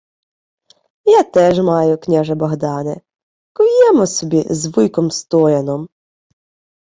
— Я теж маю, княже Богдане. Куємо собі з вуйком Стояном.